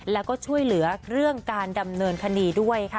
แล้วก็ช่วยเหลือเรื่องการดำเนินคดีด้วยค่ะ